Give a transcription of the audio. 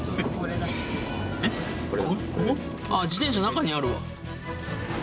自転車中にあるわ。